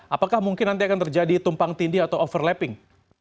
apakah mungkin nanti akan terjadi tumpang tindih atau overlapping